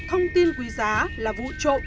thông tin quý giá là vụ trộn